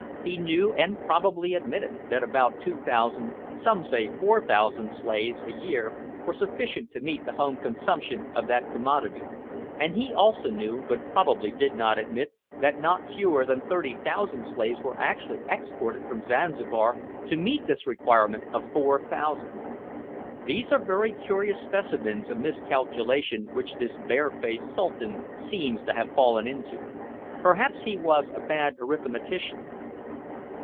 He knew, and probably admitted, that about 2000, some say 4000, slaves a year were sufficient to meet the home consumption of that commodity, and he also knew, but probably did not admit, that not fewer than 30,000 slaves were annually exported from Zanzibar to meet this requirement of 4000! These are very curious specimens of miscalculation which this barefaced Sultan seems to have fallen into. Perhaps he was a bad arithmetician.